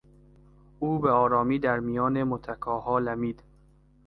او به آرامی در میان متکاها لمید.